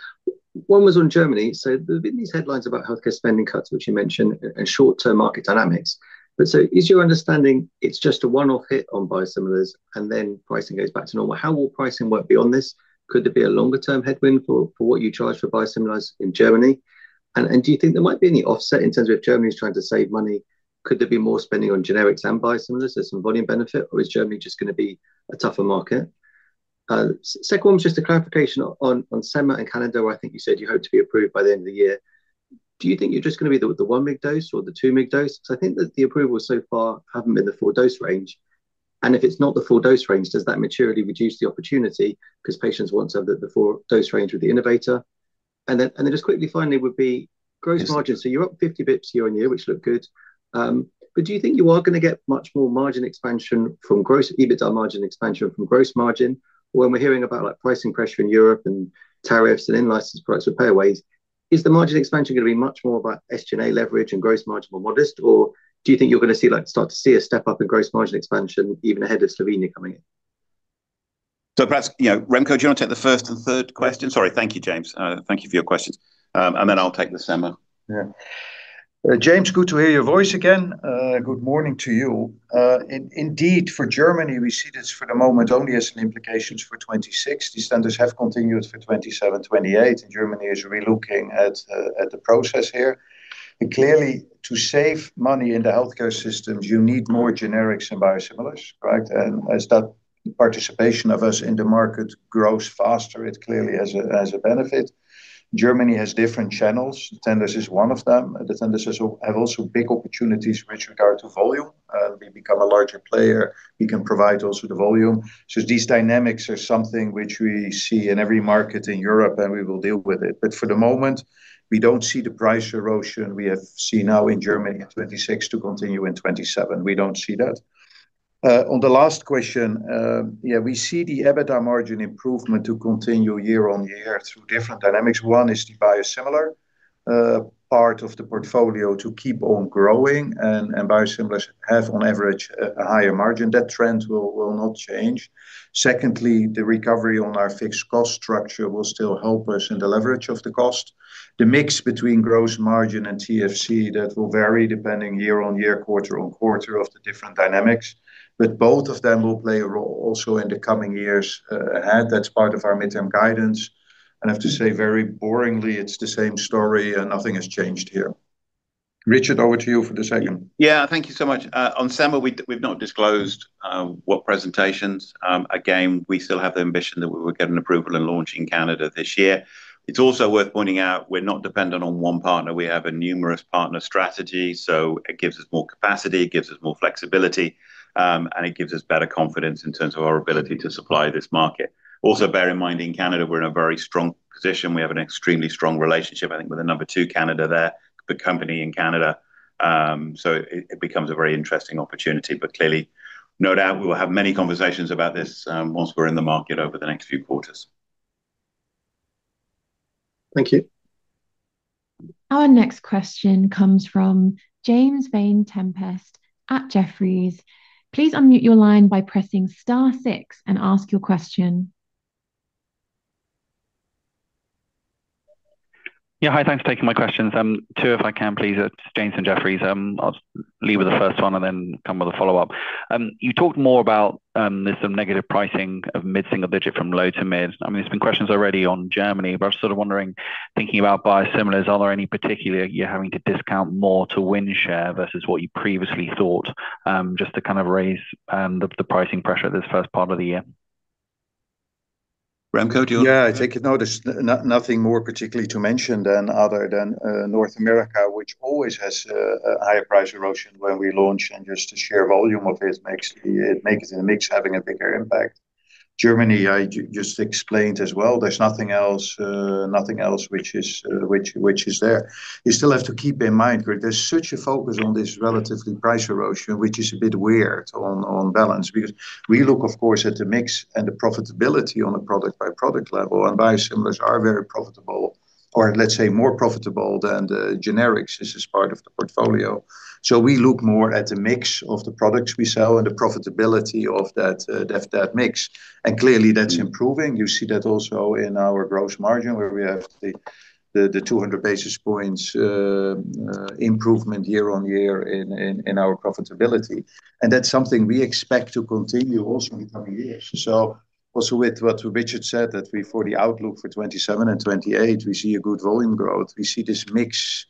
One was on Germany. There have been these headlines about healthcare spending cuts, which you mentioned, and short-term market dynamics. Is your understanding it's just a one-off hit on biosimilars, and then pricing goes back to normal? How will pricing work beyond this? Could there be a longer-term headwind for what you charge for biosimilars in Germany? Do you think there might be any offset in terms of Germany's trying to save money? Could there be more spending on generics and biosimilars? There's some volume benefit, or is Germany just going to be a tougher market? Second one was just a clarification on Enzeevu in Canada, where I think you said you hope to be approved by the end of the year. Do you think you're just going to be the 1 mg dose or the 2 mg dose? Because I think that the approvals so far haven't been the full dose range. If it's not the full dose range, does that materially reduce the opportunity because patients want the full dose range with the innovator? Just quickly, finally, would be gross margin. You're up 50 basis points year-on-year, which look good. Do you think you are going to get much more margin expansion from gross EBITDA margin expansion from gross margin when we're hearing about pricing pressure in Europe and tariffs and in-license price repair ways? Is the margin expansion going to be much more about SG&A leverage and gross margin more modest? Do you think you're going to start to see a step up in gross margin expansion even ahead of Slovenia coming in? Perhaps, Remco, do you want to take the first and third question? Sorry. Thank you, James. Thank you for your questions. Then I'll take the Enzeevu. James, good to hear your voice again. Good morning to you. Indeed, for Germany, we see this for the moment only as an implication for 2026. These tenders have continued for 2027-2028. Germany is re-looking at the process here. Clearly, to save money in the healthcare systems, you need more generics and biosimilars. Right? As that participation of us in the market grows faster, it clearly has a benefit. Germany has different channels. Tenders is one of them. The tenders have also big opportunities with regard to volume. We become a larger player. We can provide also the volume. These dynamics are something which we see in every market in Europe, and we will deal with it. For the moment, we don't see the price erosion we have seen now in Germany in 2026 to continue in 2027. We don't see that. On the last question, we see the EBITDA margin improvement to continue year-on-year through different dynamics. One is the biosimilar part of the portfolio to keep on growing, and biosimilars have, on average, a higher margin. That trend will not change. Secondly, the recovery on our fixed cost structure will still help us in the leverage of the cost. The mix between gross margin and TFC, that will vary depending year-on-year, quarter-on-quarter of the different dynamics. Both of them will play a role also in the coming years ahead. That's part of our midterm guidance. I have to say, very boringly, it's the same story and nothing has changed here. Richard, over to you for the second. Thank you so much. On Enzeevu, we've not disclosed what presentations. Again, we still have the ambition that we will get an approval and launch in Canada this year. It's also worth pointing out we're not dependent on one partner. We have a numerous partner strategy. It gives us more capacity, it gives us more flexibility, and it gives us better confidence in terms of our ability to supply this market. Bear in mind, in Canada, we're in a very strong position. We have an extremely strong relationship, I think, with the number two Canada there, the company in Canada. It becomes a very interesting opportunity, clearly, no doubt we will have many conversations about this once we're in the market over the next few quarters. Thank you. Our next question comes from James Vane-Tempest at Jefferies. Please unmute your line by pressing star six and ask your question. Yeah. Hi. Thanks for taking my questions. Two if I can, please. It's James in Jefferies. I'll lead with the first one and then come with a follow-up. You talked more about there's some negative pricing of mid-single-digit from low-to-mid. There's been questions already on Germany, but I was sort of wondering, thinking about biosimilars, are there any particular you're having to discount more to win share versus what you previously thought? Just to kind of raise the pricing pressure this first part of the year. Remco, I think there's nothing more particularly to mention than other than North America, which always has a higher price erosion when we launch, and just the sheer volume of it makes the mix having a bigger impact. Germany, I just explained as well. There's nothing else which is there. You still have to keep in mind, there's such a focus on this relatively price erosion, which is a bit weird on balance, because we look, of course, at the mix and the profitability on a product-by-product level, and biosimilars are very profitable, or let's say more profitable than the generics. This is part of the portfolio. We look more at the mix of the products we sell and the profitability of that mix. Clearly that's improving. You see that also in our gross margin where we have the 200 basis points improvement year-on-year in our profitability. That's something we expect to continue also in the coming years. Also with what Richard said, that for the outlook for 2027 and 2028, we see a good volume growth. We see this mix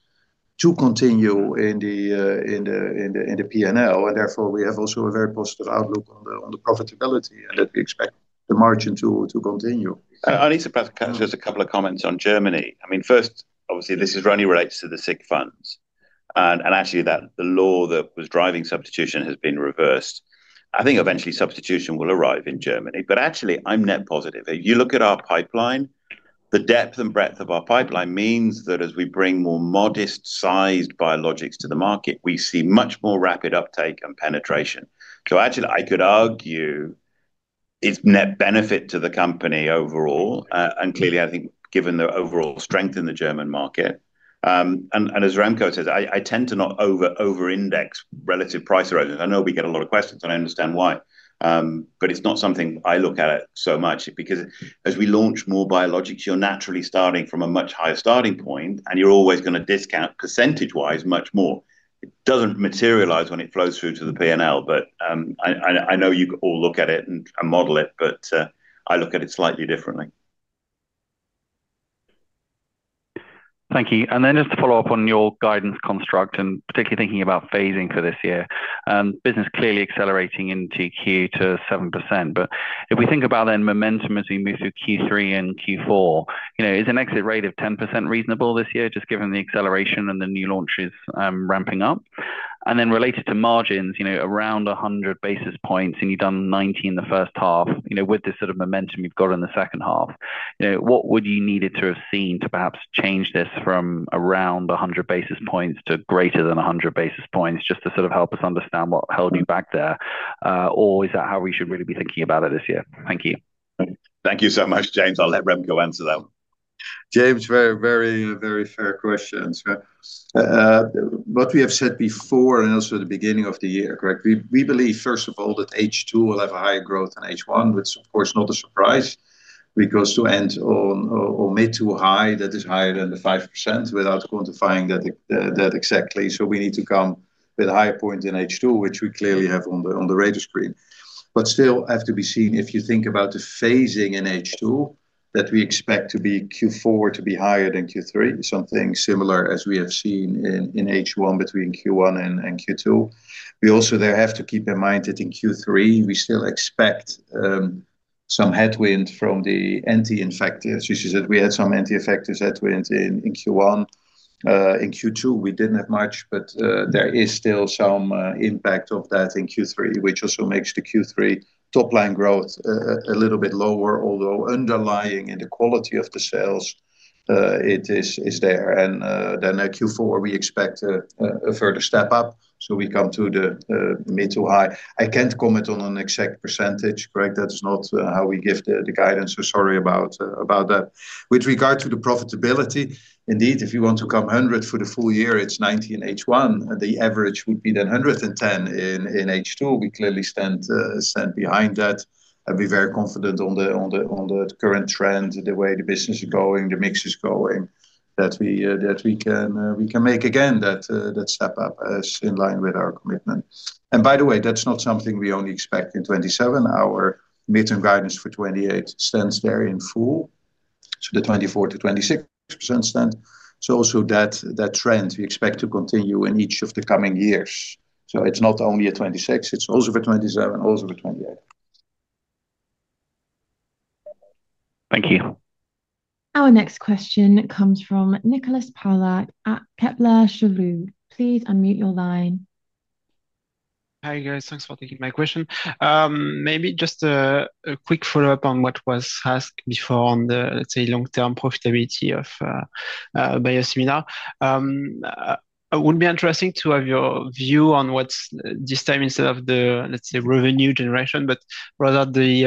to continue in the P&L, therefore, we have also a very positive outlook on the profitability, and that we expect the margin to continue. I need to perhaps capture just a couple of comments on Germany. First, obviously, this is only related to the SIG funds, actually, the law that was driving substitution has been reversed. I think eventually substitution will arrive in Germany, but actually, I'm net positive. You look at our pipeline, the depth and breadth of our pipeline means that as we bring more modest-sized biologics to the market, we see much more rapid uptake and penetration. Actually, I could argue it's net benefit to the company overall, clearly, I think, given the overall strength in the German market. As Remco says, I tend to not over-index relative price erosion. I know we get a lot of questions, and I understand why. It's not something I look at so much, because as we launch more biologics, you're naturally starting from a much higher starting point, and you're always going to discount percentage-wise much more. It doesn't materialize when it flows through to the P&L. I know you all look at it and model it, but I look at it slightly differently. Thank you. Just to follow up on your guidance construct, particularly thinking about phasing for this year. Business clearly accelerating into Q2 7%, if we think about momentum as we move through Q3 and Q4, is an exit rate of 10% reasonable this year just given the acceleration and the new launches ramping up? Related to margins, around 100 basis points and you've done 90 basis points in the first half, with this sort of momentum you've got in the second half, what would you needed to have seen to perhaps change this from around 100 basis points to greater than 100 basis points? Just to sort of help us understand what held you back there. Is that how we should really be thinking about it this year? Thank you. Thank you so much, James. I'll let Remco answer that. James, very fair question. What we have said before, also at the beginning of the year. We believe, first of all, that H2 will have a higher growth than H1, which of course, not a surprise. We close to end on mid-to-high, that is higher than the 5%, without quantifying that exactly. We need to come with a higher point in H2, which we clearly have on the radar screen, still have to be seen. If you think about the phasing in H2, that we expect Q4 to be higher than Q3, something similar as we have seen in H1 between Q1 and Q2. We also there have to keep in mind that in Q3, we still expect some headwind from the anti-infectives. We had some anti-infectives headwinds in Q1. In Q2, we didn't have much, there is still some impact of that in Q3, which also makes the Q3 top-line growth a little bit lower, although underlying and the quality of the sales, it is there. At Q4, we expect a further step up. We come to the mid-to-high. I can't comment on an exact percentage, James. That's not how we give the guidance, sorry about that. With regard to the profitability, indeed, if you want to come 100 basis points for the full-year, it's 90 basis points in H1. The average would be 110 basis points in H2. We clearly stand behind that and be very confident on the current trend, the way the business is going, the mix is going, that we can make again that step up as in line with our commitment. By the way, that's not something we only expect in 2027. Our mid-term guidance for 2028 stands very in full. The 24%-26% stand. Also that trend we expect to continue in each of the coming years. It's not only at 2026, it's also the 2027, also the 2028. Thank you. Our next question comes from Nicolas Palat at Kepler Cheuvreux. Please unmute your line. Hi, guys. Thanks for taking my question. Maybe just a quick follow-up on what was asked before on the, let's say, long-term profitability of biosimilar. It would be interesting to have your view on what's, this time instead of the, let's say, revenue generation, but rather the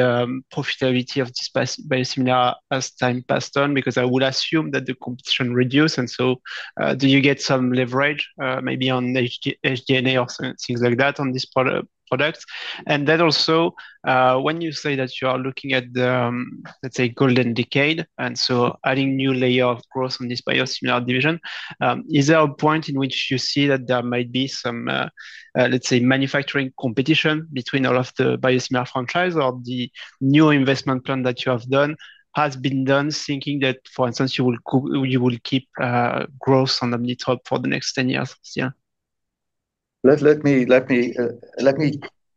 profitability of this biosimilar as time passed on, because I would assume that the competition reduced. Do you get some leverage, maybe on SG&A or things like that on this product? Also, when you say that you are looking at the, let's say, golden decade, adding new layer of growth on this biosimilar division, is there a point in which you see that there might be some, let's say, manufacturing competition between all of the biosimilar franchise, or the new investment plan that you have done has been done thinking that, for instance, you will keep growth on the mid-top for the next 10 years? Let me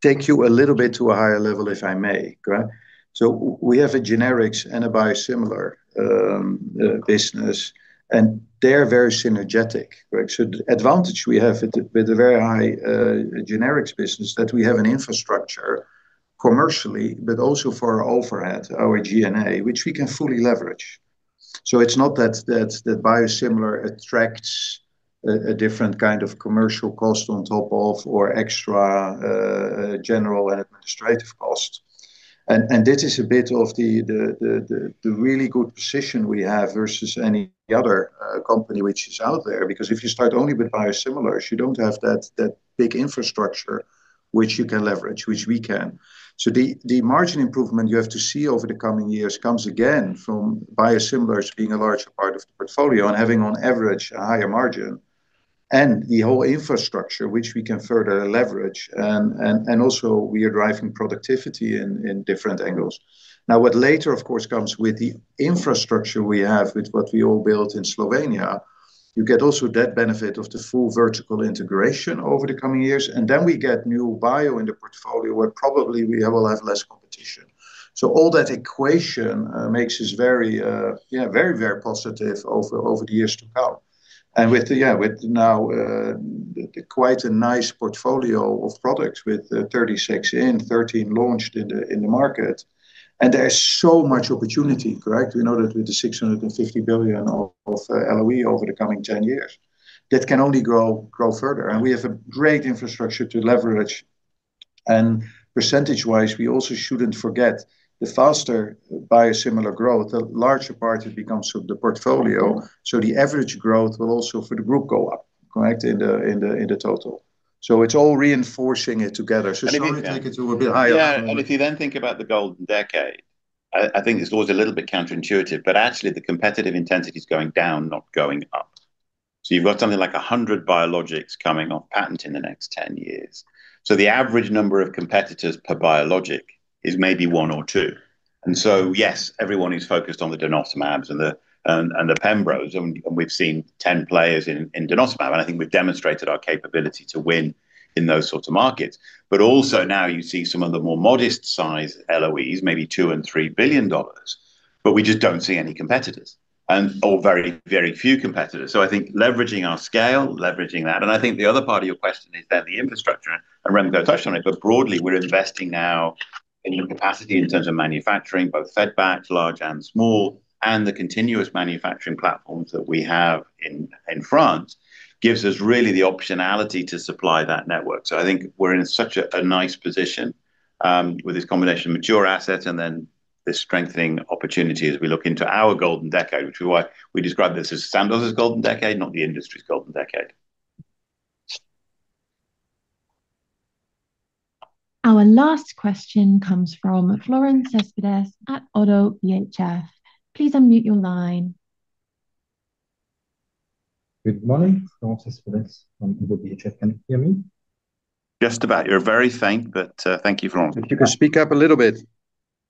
take you a little bit to a higher level, if I may. [inaudible] We have a generics and a biosimilar business, and they're very synergistic. [inaudible] The advantage we have with the very high generics business, that we have an infrastructure commercially, but also for our overhead, our G&A, which we can fully leverage. It's not that biosimilar attracts a different kind of commercial cost on top of or extra general and administrative cost. This is a bit of the really good position we have versus any other company which is out there, because if you start only with biosimilars, you don't have that big infrastructure which you can leverage, which we can. The margin improvement you have to see over the coming years comes again from biosimilars being a large part of the portfolio and having on average a higher margin. The whole infrastructure, which we can further leverage. Also, we are driving productivity in different angles. Now, what later, of course, comes with the infrastructure we have, with what we all built in Slovenia, you get also that benefit of the full vertical integration over the coming years, then we get new biosimilars in the portfolio, where probably we will have less competition. All that equation makes us very positive over the years to come. With now quite a nice portfolio of products with 36 in, 13 launched in the market. There is so much opportunity, correct. We know that with the 650 billion of LOE over the coming 10 years, that can only grow further. We have a great infrastructure to leverage. Percentage-wise, we also shouldn't forget, the faster biosimilar growth, the larger part it becomes of the portfolio. The average growth will also, for the group, go up, right, in the total. It's all reinforcing it together. Sorry to take it to a bit higher up. If you then think about the golden decade, I think it is always a little bit counterintuitive, but actually the competitive intensity is going down, not going up. You have something like 100 biologics coming off patent in the next 10 years. The average number of competitors per biologic is maybe one or two. Yes, everyone is focused on the denosumabs and the pembrolizumab. We have seen 10 players in denosumab, and I think we have demonstrated our capability to win in those sorts of markets. But also now you see some of the more modest size LOEs, maybe $2 billion and $3 billion, but we just do not see any competitors, or very few competitors. I think leveraging our scale, leveraging that, and I think the other part of your question is then the infrastructure, and Remco touched on it, but broadly, we are investing now in new capacity in terms of manufacturing, both fed-batch, large and small, and the continuous manufacturing platforms that we have in France gives us really the optionality to supply that network. I think we are in such a nice position with this combination of mature assets and then this strengthening opportunity as we look into our golden decade, which is why we describe this as Sandoz's golden decade, not the industry's golden decade. Our last question comes from Florent Cespedes at ODDO BHF. Please unmute your line. Good morning, Florent Cespedes from ODDO BHF. Can you hear me? Just about. You're very faint, but thank you, Florent. If you could speak up a little bit.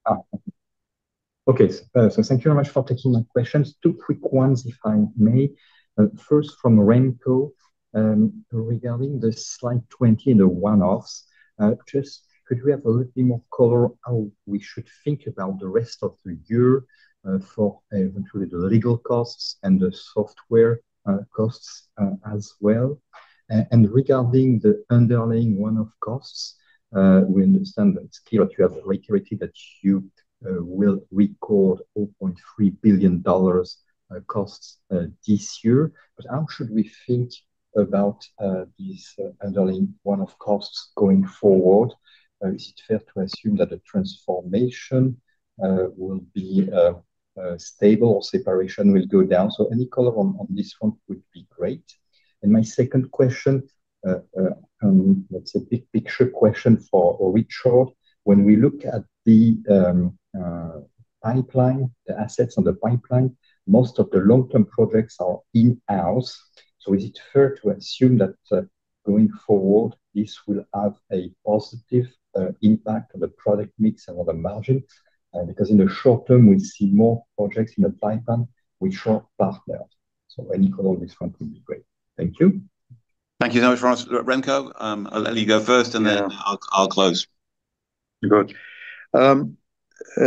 Thank you very much for taking my questions. Two quick ones, if I may. First, from Remco. Regarding the slide 20, the one-offs, just could we have a little bit more color how we should think about the rest of the year for eventually the legal costs and the software costs as well? Regarding the underlying one-off costs, we understand that it's clear that you have reiterated that you will record $4.3 billion costs this year, but how should we think about these underlying one-off costs going forward? Is it fair to assume that the transformation will be stable or separation will go down? Any color on this one would be great. My second question, it's a big picture question for Richard. When we look at the pipeline, the assets on the pipeline, most of the long-term projects are in-house. Is it fair to assume that going forward, this will have a positive impact on the product mix and on the margin? Because in the short term, we see more projects in the pipeline with short partners. Any color on this front would be great. Thank you. Thank you so much, Florent. Remco, I'll let you go first, and then I'll close. Good.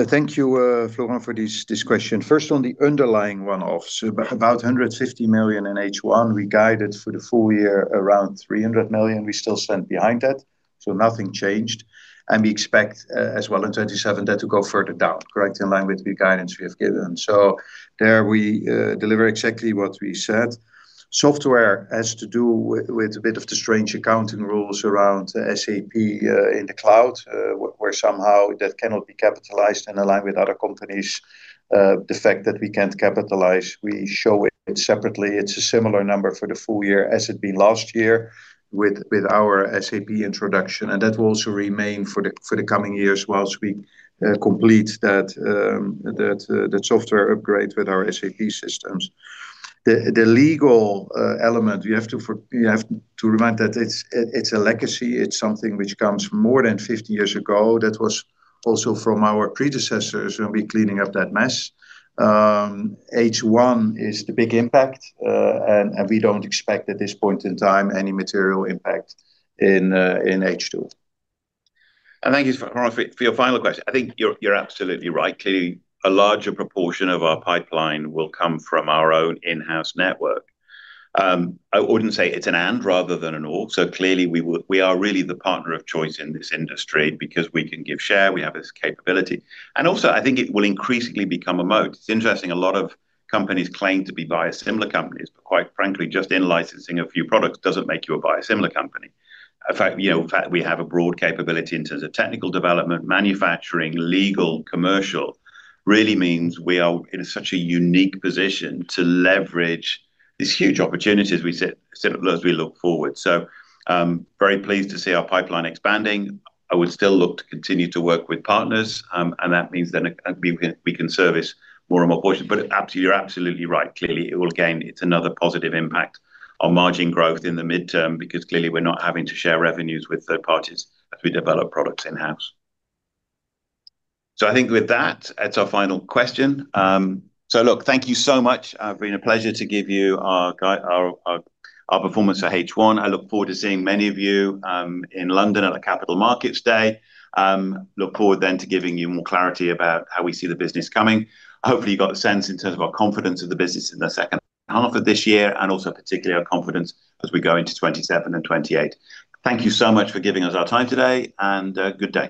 Thank you, Florent, for this question. First, on the underlying one-offs, about $150 million in H1. We guided for the full-year around $300 million. We still stand behind that, nothing changed. We expect as well in 2027 that to go further down, correct, in line with the guidance we have given. There we deliver exactly what we said. Software has to do with a bit of the strange accounting rules around SAP in the cloud, where somehow that cannot be capitalized and aligned with other companies. The fact that we can't capitalize, we show it separately. It's a similar number for the full-year as it'd been last year with our SAP introduction, and that will also remain for the coming years whilst we complete that software upgrade with our SAP systems. The legal element, you have to remind that it's a legacy. It's something which comes from more than 50 years ago that was also from our predecessors, and we're cleaning up that mess. H1 is the big impact, and we don't expect at this point in time any material impact in H2. Thank you, Florent, for your final question. I think you're absolutely right. Clearly, a larger proportion of our pipeline will come from our own in-house network. I wouldn't say it's an and rather than an or, clearly we are really the partner of choice in this industry because we can give share, we have this capability. Also, I think it will increasingly become a moat. It's interesting, a lot of companies claim to be biosimilar companies, but quite frankly, just in licensing a few products doesn't make you a biosimilar company. In fact, we have a broad capability in terms of technical development, manufacturing, legal, commercial, really means we are in such a unique position to leverage these huge opportunities we set up as we look forward. Very pleased to see our pipeline expanding. I would still look to continue to work with partners, and that means then we can service more and more portions. You're absolutely right. Clearly, it will gain. It's another positive impact on margin growth in the midterm because clearly we're not having to share revenues with third parties as we develop products in-house. I think with that's our final question. Look, thank you so much. Been a pleasure to give you our performance for H1. I look forward to seeing many of you in London at the Capital Markets Day. Look forward then to giving you more clarity about how we see the business coming. Hopefully, you got a sense in terms of our confidence of the business in the second half of this year, and also particularly our confidence as we go into 2027 and 2028. Thank you so much for giving us our time today, and good day